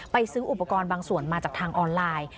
ซื้ออุปกรณ์บางส่วนมาจากทางออนไลน์